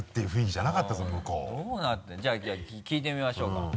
じゃあ聞いてみましょうか？